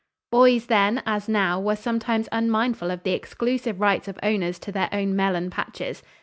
"Boys then, as now, were sometimes unmindful of the exclusive rights of owners to their own melon patches.